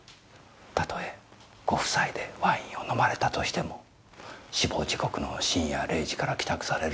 たとえご夫妻でワインを飲まれたとしても死亡時刻の深夜０時から帰宅される